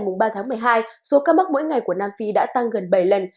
ngày ba tháng một mươi hai số ca mắc mỗi ngày của nam phi đã tăng gần bảy lần